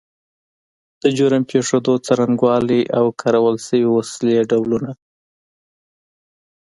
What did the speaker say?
د جرم پیښېدو څرنګوالی او کارول شوې وسلې ډولونه